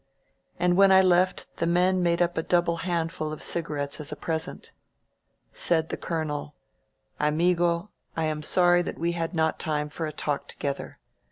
And when I left the men made up a double handful of cigarettes as a present. Said the Colonel: Anugo, I am sorry that we had not time for a talk together.